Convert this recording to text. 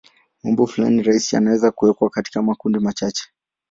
Maumbo fulani rahisi yanaweza kuwekwa katika makundi machache.